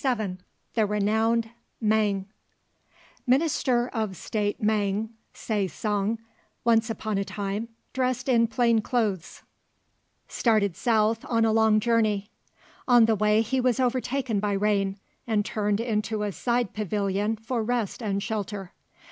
XLVII THE RENOWNED MAING Minister of State Maing Sa song once upon a time, dressed in plain clothes, started south on a long journey. On the way he was overtaken by rain, and turned into a side pavilion for rest and shelter.